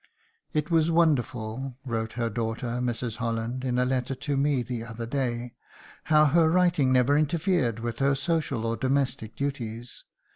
"It was wonderful" wrote her daughter, Mrs. Holland, in a letter to me the other day "how her writing never interfered with her social or domestic duties.